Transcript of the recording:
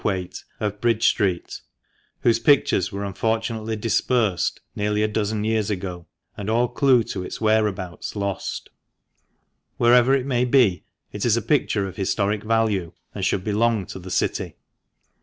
Whaite, of Bridge Street, whose pictures were unfortunately dispersed nearly a dozen years ago, and all clue to its whereabouts lost. Wherever it may be, it is a picture of historic value, and should belong to the City.